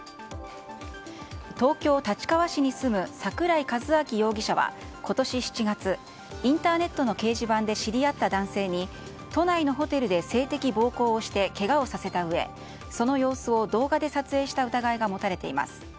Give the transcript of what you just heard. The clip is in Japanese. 東京・立川市に住む桜井一彰容疑者は今年７月、インターネットの掲示板で知り合った男性に都内のホテルで性的暴行をしてけがをさせたうえその様子を動画で撮影した疑いが持たれています。